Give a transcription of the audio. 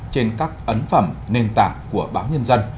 trên các ấn phẩm nền tảng của báo nhân dân